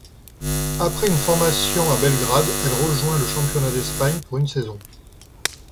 Après une formation à Belgrade, elle rejoint le championnat d'Espagne pour une saison.